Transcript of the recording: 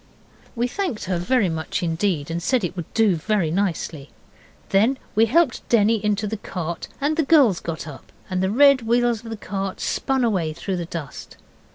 We thanked her very much indeed, and said it would do very nicely. Then we helped Denny into the cart, and the girls got up, and the red wheels of the cart spun away through the dust.